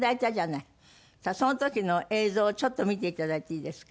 その時の映像をちょっと見ていただいていいですか？